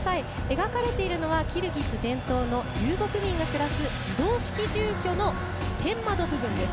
描かれているのはキルギス伝統の遊牧民が暮らす移動式住居の天窓部分です。